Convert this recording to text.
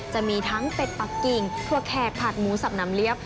จะมีทั้งเป็ดปักกิ่งถั่วแขกผัดหมูสับน้ำเลี้ย